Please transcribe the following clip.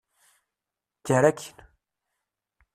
Kker akin!